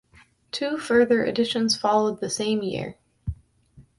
Two further editions followed the same year.